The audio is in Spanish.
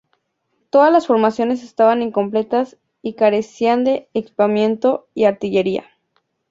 Todas las formaciones estaban incompletas y carecían de equipamiento y artillería.